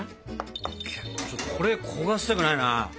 これ焦がしたくないな。